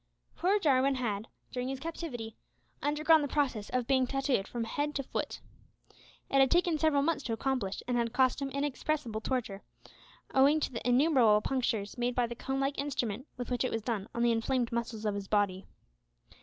Poor Jarwin had, during his captivity, undergone the process of being tatooed from head to foot. It had taken several months to accomplish and had cost him inexpressible torture, owing to the innumerable punctures made by the comb like instrument with which it was done on the inflamed muscles of his body.